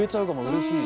うれしい。